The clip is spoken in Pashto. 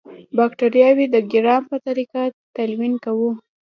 باکټریاوې د ګرام په طریقه تلوین کوو.